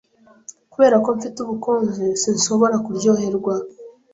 Kubera ko mfite ubukonje, sinshobora kuryoherwa.